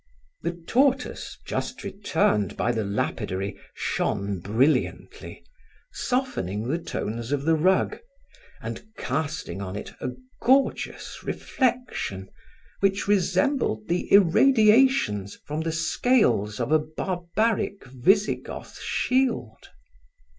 The tortoise, just returned by the lapidary, shone brilliantly, softening the tones of the rug and casting on it a gorgeous reflection which resembled the irradiations from the scales of a barbaric Visigoth shield.